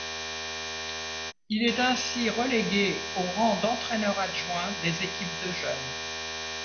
Il est ainsi relégué au rang d'entraîneur adjoint des équipes de jeunes.